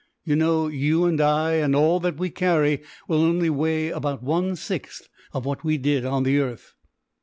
You know, you and I and all that we carry will only weigh about a sixth of what we did on the earth."